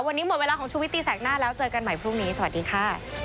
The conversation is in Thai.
วันนี้หมดเวลาของชุวิตตีแสกหน้าแล้วเจอกันใหม่พรุ่งนี้สวัสดีค่ะ